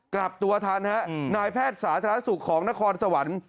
กลับตัวทันฮะนายแพทย์สาธารณสุขของนครสวรรค์